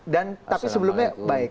dan tapi sebelumnya baik